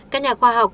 các nhà khoa học